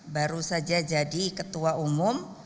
baru saja jadi ketua umum